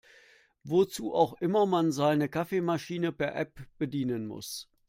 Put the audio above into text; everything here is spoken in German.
Wozu auch immer man seine Kaffeemaschine per App bedienen muss.